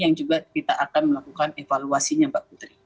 yang juga kita akan melakukan evaluasinya mbak putri